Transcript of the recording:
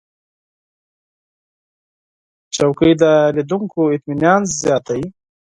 چوکۍ د لیدونکو اطمینان زیاتوي.